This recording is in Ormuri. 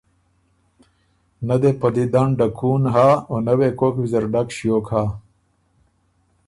نۀ دې په دیدن ډکُون هۀ او نۀ وې کوک ویزر ډک ݭیوک هۀ۔